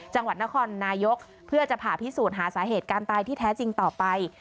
จังหวัดนครนายกเพื่อจะผ่าพิสูจน์หาสาเหตุการตายที่แท้จริงต่อไป